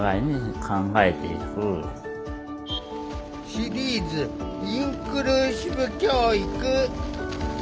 シリーズ「インクルーシブ教育」。